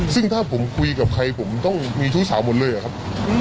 ซึ่งถ้าผมคุยกับใครผมต้องมีชู้สาวหมดเลยอะครับ